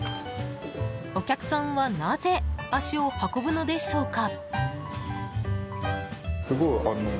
お客さんはなぜ足を運ぶのでしょうか？